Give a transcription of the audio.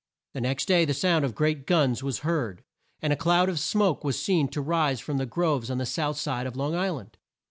The next day the sound of great guns was heard, and a cloud of smoke was seen to rise from the groves on the south side of Long Isl and.